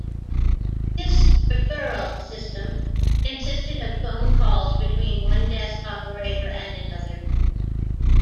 This "referral system" consisted of phone calls between one desk operator and another.